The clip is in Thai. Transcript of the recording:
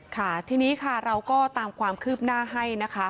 ค่ะทีนี้ค่ะเราก็ตามความคืบหน้าให้นะคะ